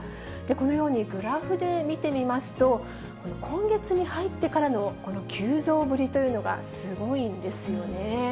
このようにグラフで見てみますと、今月に入ってからのこの急増ぶりというのが、すごいんですよね。